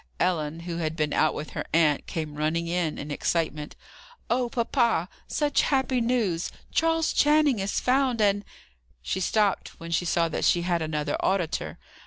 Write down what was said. Ellen, who had been out with her aunt, came running in, in excitement. "Oh, papa! such happy news! Charles Channing is found, and " She stopped when she saw that she had another auditor.